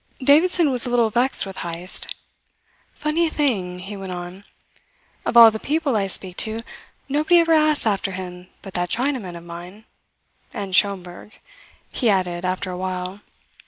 Davidson was a little vexed with Heyst. "Funny thing," he went on. "Of all the people I speak to, nobody ever asks after him but that Chinaman of mine and Schomberg," he added after a while.